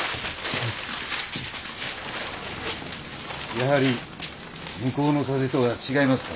やはり向こうの風とは違いますか？